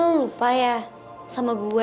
amel lu lupa ya sama gue